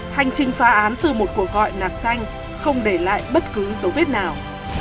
hành trình phá án từ một cuộc gọi nạc danh không để lại bất cứ dấu vết nào